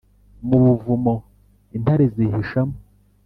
mu buvumo intare zihishamo,